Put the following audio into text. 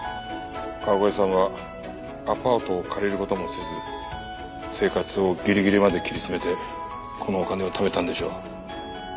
川越さんはアパートを借りる事もせず生活をギリギリまで切り詰めてこのお金をためたんでしょう。